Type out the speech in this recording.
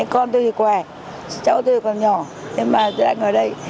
con tôi thì khỏe cháu tôi còn nhỏ nhưng mà tôi đang ở đây